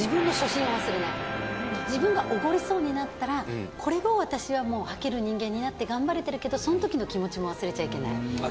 自分がおごりそうになったらこれを私は履ける人間になって頑張れてるけどそんときの気持ちも忘れちゃいけない。